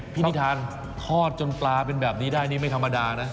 นิทานทอดจนปลาเป็นแบบนี้ได้นี่ไม่ธรรมดานะ